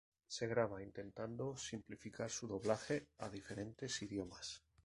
Se graba intentando simplificar su doblaje a diferentes idiomas.